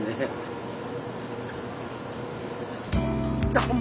どうも。